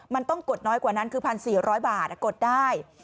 มันต้องกดน้อยกว่านั้นคือ๑๔๐๐บาทกดได้